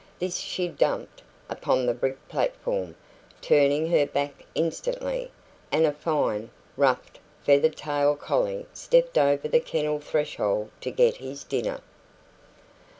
This she dumped upon the brick platform, turning her back instantly; and a fine, ruffed, feather tailed collie stepped over the kennel threshold to get his dinner.